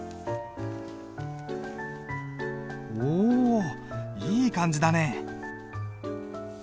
おおいい感じだね。